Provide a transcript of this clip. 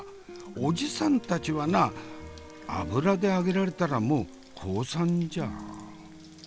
おじさんたちはな油で揚げられたらもう降参じゃ。